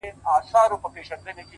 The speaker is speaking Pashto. اوس يــې آهـونـــه په واوښتـل،